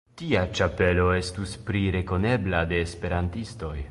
Tia ĉapelo estus pli rekonebla de Esperantistoj.